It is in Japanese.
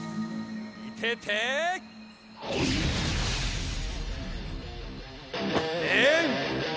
見てて！ねん！